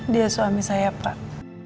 dia suami saya pak